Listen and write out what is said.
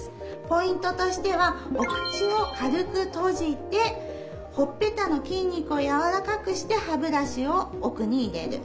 ポイントとしてはお口を軽く閉じてほっぺたの筋肉をやわらかくして歯ブラシを奥に入れる。